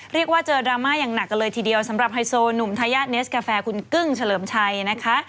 เรียกว่าเจอดราม่าอย่างหนักกันเลยทีเดียวสำหรับไฮโซหนุ่มทายาทเนสกาแฟคุณกึ้งเฉลิมชัยนะคะ